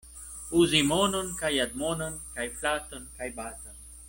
Uzi monon kaj admonon kaj flaton kaj baton.